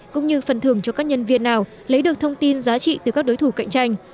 cũng như phần thưởng cho các nhân viên nào lấy được thông tin giá trị từ các đối thủ cạnh tranh